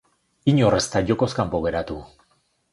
Inor ez da jokoz kanpo geratu.